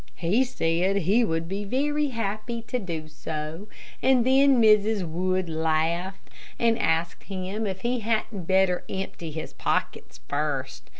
He said he would be very happy to do so, and then Mrs. Wood laughed; and asked him if he hadn't better empty his pockets first.